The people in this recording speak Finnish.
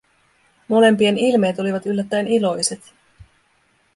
Molempien ilmeet olivat yllättäen iloiset.